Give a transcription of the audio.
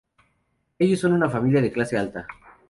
Ellos son una familia de clase alta.